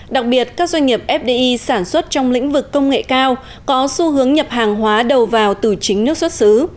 đặc biệt các doanh nghiệp fdi sản xuất trong lĩnh vực công nghệ cao có xu hướng nhập hàng hóa đầu vào từ chính nước xuất xứ